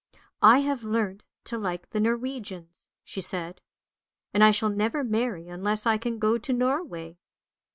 " I have learnt to like the Norwegians," she said, " and I shall never marry unless I can go to Norway!